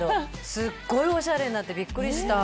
すごいおしゃれになってビックリした。